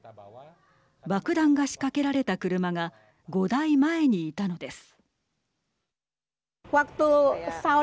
爆弾が仕掛けられた車が５台前にいたのです。